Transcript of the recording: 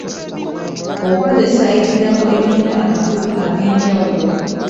Okukozesa ebigambo ebirina amakulu ag’enjawulo.